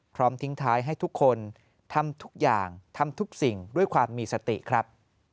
พร้อมทิ้งท้ายให้ทุกคนทำทุกอย่างทำทุกสิ่งด้วยความมีสติครับ